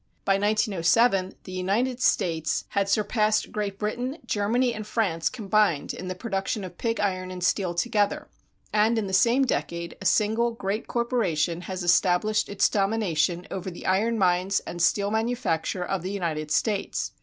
By 1907 the United States had surpassed Great Britain, Germany, and France combined in the production of pig iron and steel together, and in the same decade a single great corporation has established its domination over the iron mines and steel manufacture of the United States.